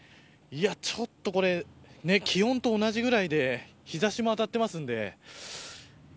ちょっとこれ気温と同じくらいで日差しも当たっていますので。